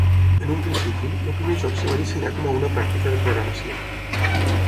En un principi, el primer joc es va dissenyar com a una pràctica de programació.